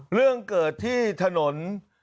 เรื่องเกิดที่ถนน